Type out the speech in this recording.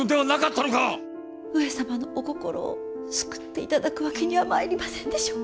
上様のお心を救って頂くわけにはまいりませんでしょうか。